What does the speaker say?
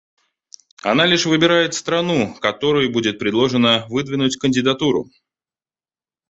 Она лишь выбирает страну, которой будет предложено выдвинуть кандидатуру.